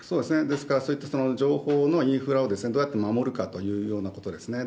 ですから、そういった情報のインフラを、どうやって守るかというようなことですね。